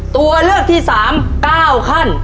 ตัวเลือกที่๓๙ขั้น